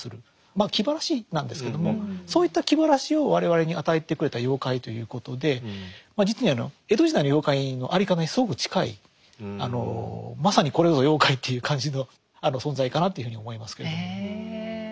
まあ気晴らしなんですけどもそういった気晴らしを我々に与えてくれた妖怪ということでまあ実にあの江戸時代の妖怪の在り方にすごく近いまさにこれぞ妖怪っていう感じの存在かなっていうふうに思いますけれども。